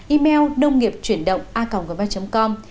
email nông nghiệpchuyểnđộnga gmail com